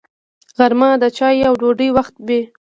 غرمه د چایو او ډوډۍ وخت وي